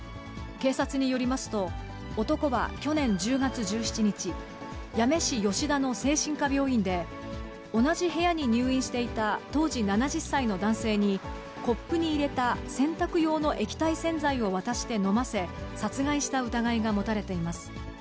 警察によりますと、男は去年１０月１７日、八女市吉田の精神科病院で、同じ部屋に入院していた当時７０歳の男性に、コップに入れた洗濯用の液体洗剤を渡して飲ませ、殺害した疑いが持たれています。